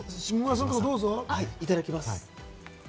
いただきます。